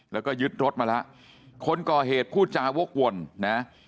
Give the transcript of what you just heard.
แล้วก็ยึดรถมาละคนก่อเหตุผู้จาวกวลนะครับ